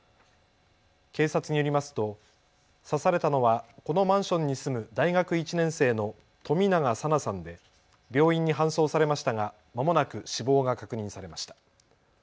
警察によりますと刺されたのはこのマンションに住む大学１年生の冨永紗菜さんで病院に搬送されましたがまもなく死亡が確認されました。